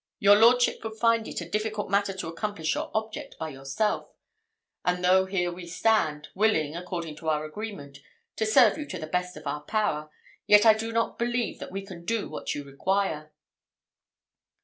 Your lordship would find it a difficult matter to accomplish your object by yourself; and though here we stand, willing, according to our agreement, to serve you to the best of our power, yet I do not believe that we can do what you require."